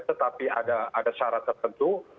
tetapi ada syarat tertentu